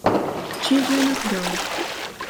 Children of God